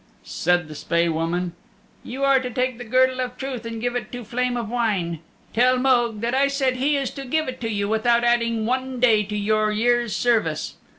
Said the Spae Woman, "You are to take the Girdle of Truth and give it to Flame of Wine. Tell Mogue that I said he is to give it to you without adding one day to your years' service.